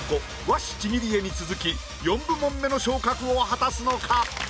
和紙ちぎり絵に続き４部門目の昇格を果たすのか？